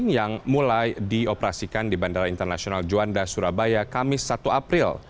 yang mulai dioperasikan di bandara internasional juanda surabaya kamis satu april